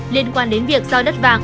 liên quan đến việc giao đất vàng